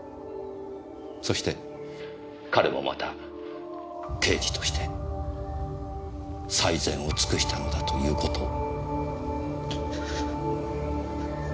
そして彼もまた刑事として最善を尽くしたのだという事を。